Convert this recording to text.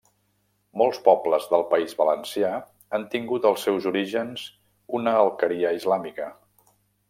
Molts pobles del País Valencià han tingut als seus orígens una alqueria islàmica.